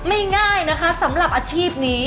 ง่ายนะคะสำหรับอาชีพนี้